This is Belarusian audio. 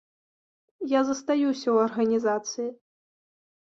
Я застаюся ў арганізацыі.